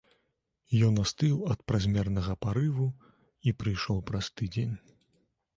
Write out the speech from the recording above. Ён астыў ад празмернага парыву і прыйшоў праз тыдзень.